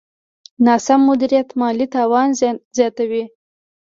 ناسم مدیریت مالي تاوان زیاتوي.